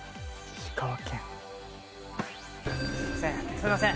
すいません。